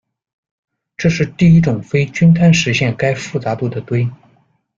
这是第一种非均摊实现该复杂度的堆。